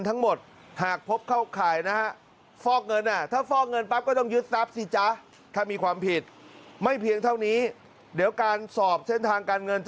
ทำให้เพียงเท่านี้เดี๋ยวการสอบเซ็นทางการเงิน